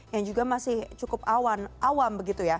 yang juga masih cukup awam